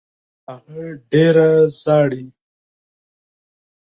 هغه ډېره ژاړي.